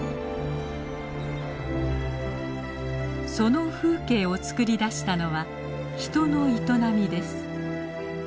その風景をつくり出したのは人の営みです。